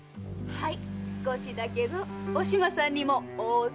はい？